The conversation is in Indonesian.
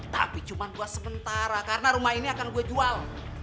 tapi cuma buat sementara karena rumah ini akan gue jual